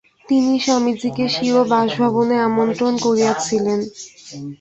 তিনি স্বামীজীকে স্বীয় বাসভবনে আমন্ত্রণ করিয়াছিলেন।